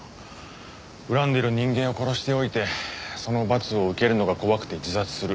恨んでる人間を殺しておいてその罰を受けるのが怖くて自殺する。